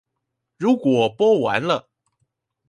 如果播完了